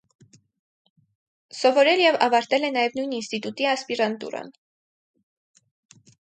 Սովորել և ավարտել է նաև նույն ինստիտուտի ասպիրանտուրան։